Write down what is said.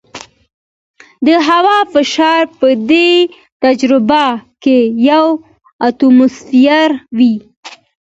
د هوا فشار په دې تجربه کې یو اټموسفیر وي.